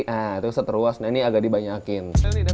nah itu seteruas nah ini agak dibanyakin